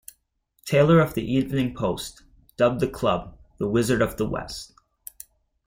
Taylor of The Evening Post, dubbed the club "The Wizards of the West".